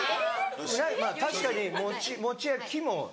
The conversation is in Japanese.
まぁ確かに餅や木も。